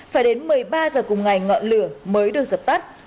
phải đến một mươi ba h cùng ngày ngọn lửa mới được dập tắt